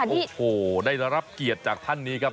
โอ้โหได้รับเกียรติจากท่านนี้ครับ